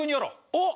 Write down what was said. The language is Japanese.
おっ！